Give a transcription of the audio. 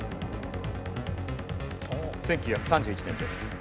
１９３１年です。